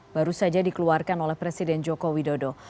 baru saja dikeluarkan oleh presiden joko widodo